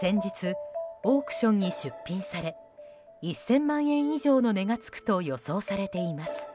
先日、オークションに出品され１０００万円以上の値が付くと予想されています。